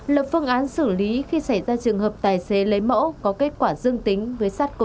lập phương án xử lý khi xảy ra trường hợp tài xế lấy mẫu có kết quả dương tính với sars cov hai